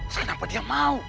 kenapa dia mau